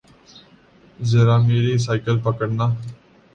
ذرامیری cycle پکڑنا